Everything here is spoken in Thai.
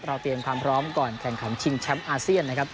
เตรียมความพร้อมก่อนแข่งขันชิงแชมป์อาเซียนนะครับ